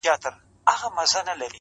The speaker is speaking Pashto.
گوندي وي چي ټول کارونه دي پر لار سي.!